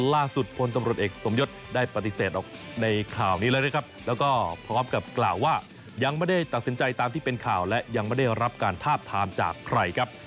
ล่าสุดพลตำรวจเอกสมยศได้ปฏิเสธออกในข่าวนี้แล้วนะครับแล้วก็พร้อมกับกล่าวว่ายังไม่ได้ตัดสินใจตามที่เป็นข่าวและยังไม่ได้รับการทาบทามจากใครครับ